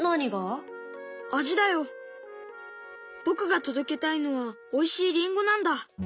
僕が届けたいのはおいしいりんごなんだ。